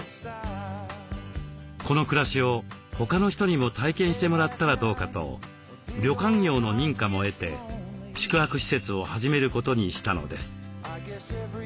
この暮らしを他の人にも体験してもらったらどうかと旅館業の認可も得て宿泊施設を始めることにしたのです。